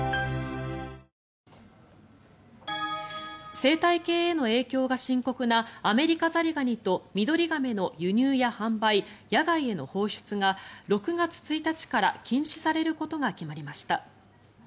生態系への影響が深刻なアメリカザリガニとミドリガメの輸入や販売、野外への放出が６月１日から禁止されることが決まりました。